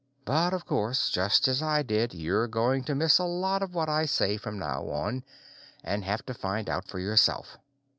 But of course, just as I did, you're going to miss a lot of what I say from now on, and have to find out for yourself.